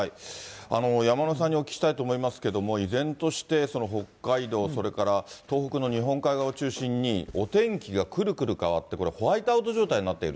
山村さんにお聞きしたいと思いますけれども、依然として北海道、それから東北の日本海側を中心に、お天気がくるくる変わって、これ、ホワイトアウト状態になっている。